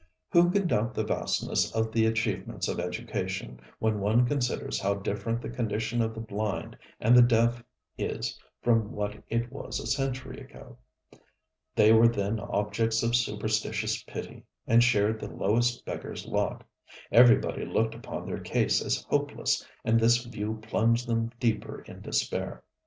ŌĆØ Who can doubt the vastness of the achievements of education when one considers how different the condition of the blind and the deaf is from what it was a century ago? They were then objects of superstitious pity, and shared the lowest beggarŌĆÖs lot. Everybody looked upon their case as hopeless, and this view plunged them deeper in despair.